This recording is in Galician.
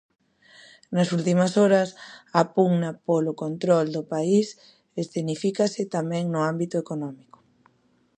Nas últimas horas, a pugna polo control do país escenifícase tamén no ámbito económico.